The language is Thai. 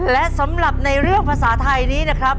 และสำหรับในเรื่องภาษาไทยนี้นะครับ